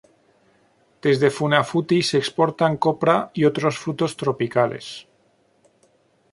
Desde Funafuti se exportan copra y otros frutos tropicales.